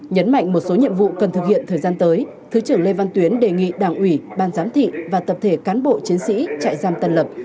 nhấn mạnh một số nhiệm vụ cần thực hiện thời gian tới thứ trưởng lê văn tuyến đề nghị đảng ủy ban giám thị và tập thể cán bộ chiến sĩ trại giam tân lập